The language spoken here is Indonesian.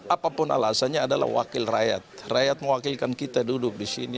apapun alasannya adalah wakil rakyat rakyat mewakilkan kita duduk di sini